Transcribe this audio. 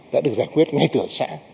đã được giải quyết ngay từ ở xã